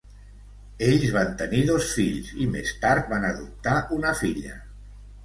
Ells van tenir dos fills i més tard van adoptar una filla.